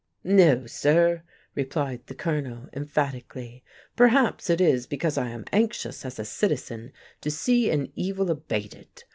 "No, sir," replied the Colonel, emphatically. "Perhaps it is because I am anxious, as a citizen, to see an evil abated.